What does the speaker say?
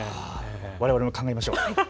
われわれも考えましょう。